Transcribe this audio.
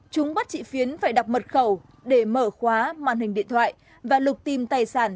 chúng bắt chị phiến phải đọc mật khẩu để mở khóa màn hình điện thoại và lục tìm tài sản